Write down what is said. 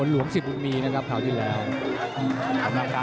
รวมเอาแน่นะ